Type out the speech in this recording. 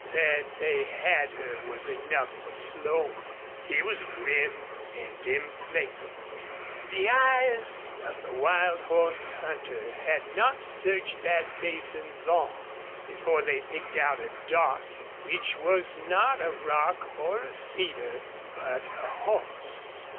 That they had her was enough for Slone. He was grim and implacable. The eyes of the wild horse hunter had not searched that basin long before they picked out a dot which was not a rock or a cedar, but a horse.